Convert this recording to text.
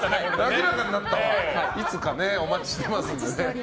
いつかお待ちしてますので。